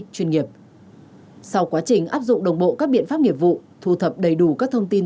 chuyên nghiệp sau quá trình áp dụng đồng bộ các biện pháp nghiệp vụ thu thập đầy đủ các thông tin